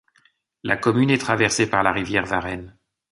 La commune est traversée par la rivière Varenne.